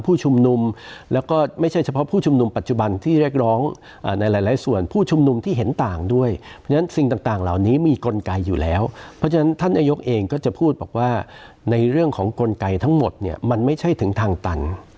เพราะฉะนั้นสิ่งต่างเหล่านี้มีกลไกอยู่แล้วเพราะฉะนั้นท่านอายุกเองก็จะพูดบอกว่าในเรื่องของกลไกทั้งหมดเนี่ยมันไม่ใช่ถึงทางตัน